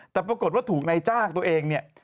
แต่ปรากฏว่าถูกนายจ้างตัวเองเนี่ย